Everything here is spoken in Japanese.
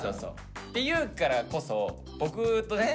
って言うからこそ僕とね